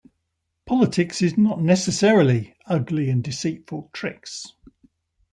Politics is not necessarily ugly and deceitful tricks.